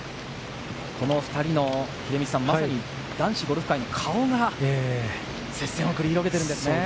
この２人の、まさに男子ゴルフ界の顔が接戦を繰り広げているんですね。